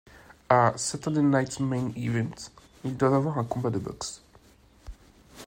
À Saturday Night's Main Event, Ils doivent avoir un combat de boxe.